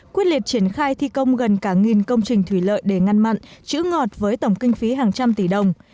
quyết liệt triển khai thi công gần cả công trình thủy lợi để ngăn mặn chữ ngọt với tổng kinh phí hàng trăm tỷ đồng